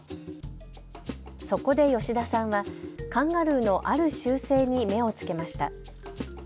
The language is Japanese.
そこで吉田さんはカンガルーのある習性に目をつけました。